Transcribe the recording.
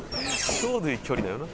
ちょうどいい距離だよな。